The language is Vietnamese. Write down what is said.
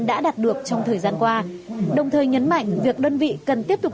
đã đạt được trong thời gian qua đồng thời nhấn mạnh việc đơn vị cần tiếp tục